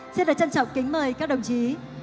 xin được trân trọng kính mời các đồng chí